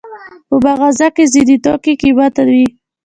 په مغازه کې ځینې توکي قیمته وي.